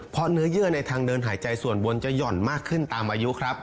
เพราะเนื้อเยื่อในทางเดินหายใจส่วนบนจะหย่อนมากขึ้นตามอายุครับ